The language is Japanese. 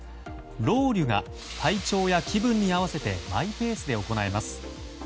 ロウリュが体調や気分に合わせてマイペースで行えます。